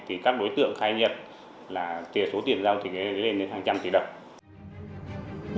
thì các đối tượng khai nhiệt là số tiền giao thị lên đến hàng trăm tỷ đồng